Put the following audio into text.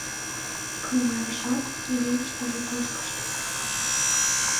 Икмыняр жап верыштыже тошкышто.